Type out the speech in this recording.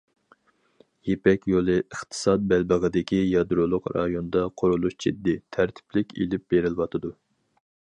يىپەك يولى ئىقتىساد بەلبېغىدىكى يادرولۇق رايوندا قۇرۇلۇش جىددىي، تەرتىپلىك ئېلىپ بېرىلىۋاتىدۇ.